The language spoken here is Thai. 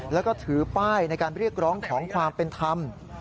แล้วก็ถือป้ายในการเรียกร้องขอความเป็นธรรม